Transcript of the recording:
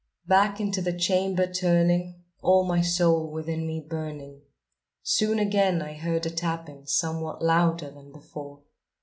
Back into the chamber turning, all my soul within me burning, Soon again I heard a tapping somewhat louder than before.